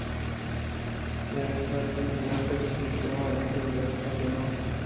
Janet Martin argumenta que el sistema, en realidad, funcionó.